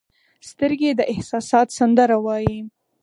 سترګې د احساسات سندره وایي